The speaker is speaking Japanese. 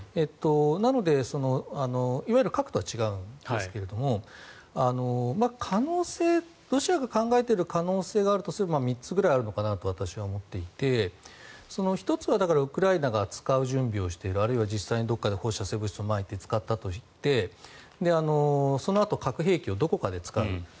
なのでいわゆる核とは違うんですがロシアが考えている可能性があるとすれば３つぐらいあるのかなと私は思っていて１つはウクライナが使う準備をしているもしくは実際にどこかで放射性物質をまいたとしてそのあと核兵器をどこかで使う。